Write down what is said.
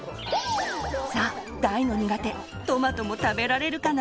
さあ大の苦手トマトも食べられるかな？